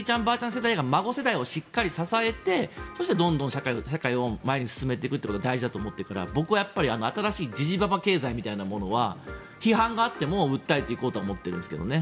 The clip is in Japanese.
世代が孫世代をしっかり支えてそして、どんどん社会を前に進めていくことが大事だと思っているから僕は新しいジジババ経済みたいなものは批判があっても訴えていこうと思っているんですけどね。